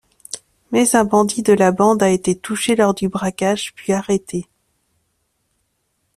Mais un bandit de la bande a été touché lors du braquage puis arrêté.